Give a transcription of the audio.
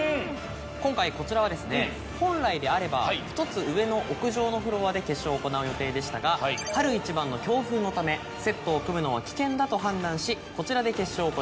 今回こちらは本来であれば１つ上の屋上のフロアで決勝を行う予定でしたが春一番の強風のためセットを組むのは危険だと判断しこちらで決勝を行います。